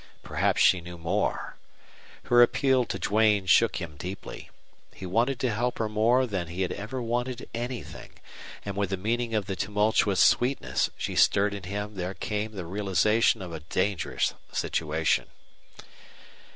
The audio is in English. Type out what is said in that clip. Perhaps she knew more! Her appeal to Duane shook him deeply. He wanted to help her more than he had ever wanted anything. And with the meaning of the tumultuous sweetness she stirred in him there came realization of a dangerous situation.